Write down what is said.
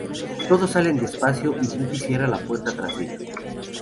Todos salen despacio y Buffy cierra la puerta tras ellos.